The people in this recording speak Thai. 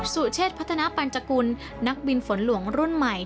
สุเชษพัฒนาปัญจกุลนักบินฝนหลวงรุ่นใหม่